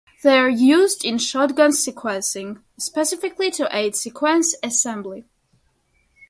They are used in shotgun sequencing, specifically to aid sequence assembly.